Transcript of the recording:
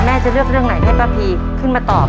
จะเลือกเรื่องไหนให้ป้าพีขึ้นมาตอบ